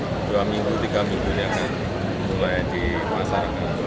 sehingga diharapkan mungkin dalam dua hingga tiga minggu ini akan mulai dimasarkan